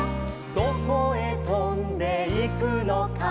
「どこへとんでいくのか」